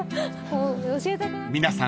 ［皆さん